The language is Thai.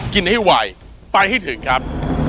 กินให้ไวไปให้ถึงครับ